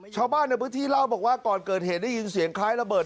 ชาวบ้านในพื้นที่เล่าบอกว่าก่อนเกิดเหตุได้ยินเสียงคล้ายระเบิด